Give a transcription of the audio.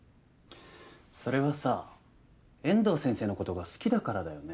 それはさ遠藤先生のことが好きだからだよね？